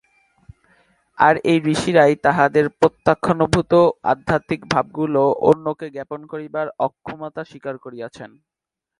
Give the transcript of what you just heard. আর এই ঋষিরাই তাঁহাদের প্রত্যক্ষানুভূত আধ্যাত্মিক ভাবগুলি অন্যকে জ্ঞাপন করিবার অক্ষমতা স্বীকার করিয়াছেন।